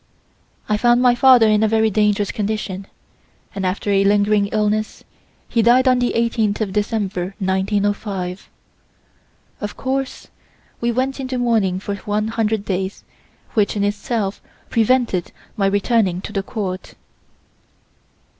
I found my father in a very dangerous condition, and after a lingering illness, he died on the 18th of December, 1905. Of course we went into mourning for one hundred days which in itself prevented my returning to the Court.